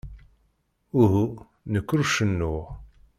Uhu, nekk ur cennuɣ.